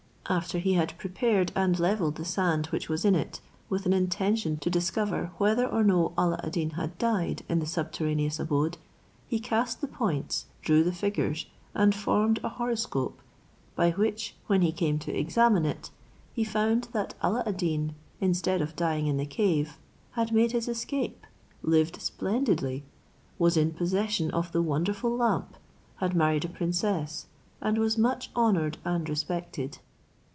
After he had prepared and levelled the sand which was in it, with an intention to discover whether or no Alla ad Deen had died in the subterraneous abode, he cast the points, drew the figures, and formed a horoscope, by which, when he came to examine it, he found that Alla ad Deen, instead of dying in the cave, had made his escape, lived splendidly, was in possession of the wonderful lamp, had married a princess, and was much honoured and respected.